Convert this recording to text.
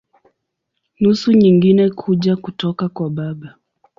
Nusu nyingine kuja kutoka kwa baba.